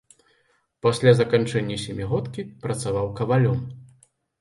Пасля заканчэння сямігодкі працаваў кавалём.